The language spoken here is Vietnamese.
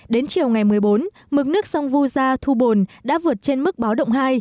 đến chiều ngày một mươi bốn mực nước sông vu gia thu bồn đã vượt trên mức báo động hai